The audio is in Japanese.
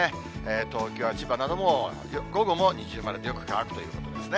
東京や千葉なども、午後も二重丸で、よく乾くということですね。